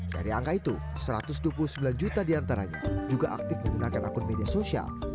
dari angka itu satu ratus dua puluh sembilan juta diantaranya juga aktif menggunakan akun media sosial